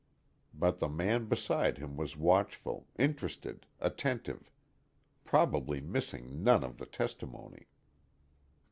But the man beside him was watchful, interested, attentive, probably missing none of the testimony.